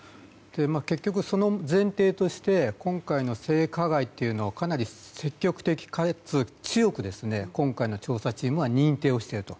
結局、その前提として今回の性加害というのをかなり積極的かつ強く今回の調査チームは認定をしていると。